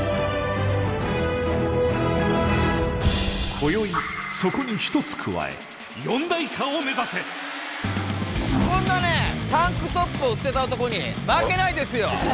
今宵そこに１つ加えこんなねタンクトップを捨てた男に負けないですよ！